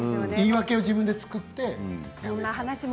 言い訳を自分で作って。